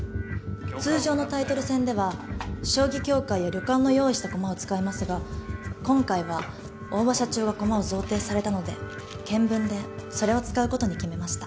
通常のタイトル戦では将棋協会や旅館の用意した駒を使いますが今回は大庭社長が駒を贈呈されたので検分でそれを使う事に決めました。